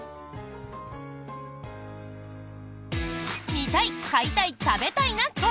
「見たい買いたい食べたいな会」。